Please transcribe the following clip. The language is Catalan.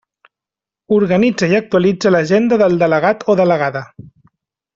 Organitza i actualitza l'agenda del delegat o delegada.